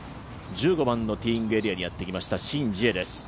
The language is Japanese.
１５番のティーイングエリアにやってきました、シン・ジエです。